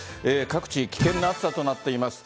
各地、危険な暑さとなっています。